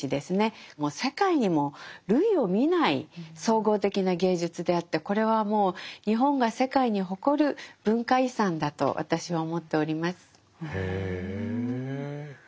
もう世界にも類を見ない総合的な芸術であってこれはもう日本が世界に誇る文化遺産だと私は思っております。